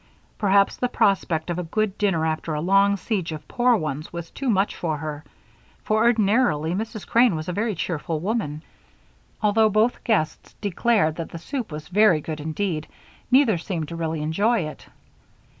Perhaps the prospect of a good dinner after a long siege of poor ones was too much for her, for ordinarily Mrs. Crane was a very cheerful woman. Although both guests declared that the soup was very good indeed, neither seemed to really enjoy it.